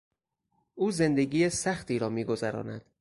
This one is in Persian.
او زندگی سختی را میگذراند.